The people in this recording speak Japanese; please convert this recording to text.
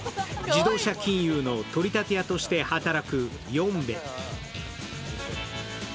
自動車金融の取り立て屋として働くヨンベ。